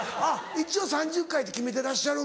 一応３０回って決めてらっしゃるんだ。